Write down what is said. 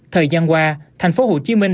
thời gian qua thành phố hồ chí minh